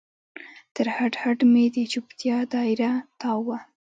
تر هډ، هډ مې د چوپتیا دا یره تاو وه